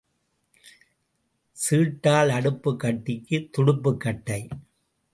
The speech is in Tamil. சீட்டாள், அடுப்புக் கட்டிக்கு, துடுப்புக் கட்டை.